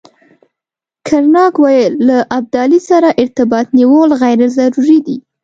کرناک ویل له ابدالي سره ارتباط نیول غیر ضروري دي.